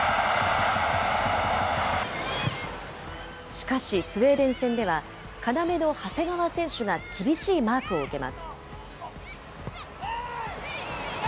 しかし、スウェーデン戦では、要の長谷川選手が厳しいマークを受けます。